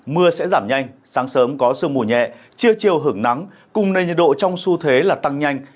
mưa sẽ giảm nhanh sáng sớm có sương mùa nhẹ chiều chiều hưởng nắng cùng nền nhiệt độ trong su thế là tăng nhanh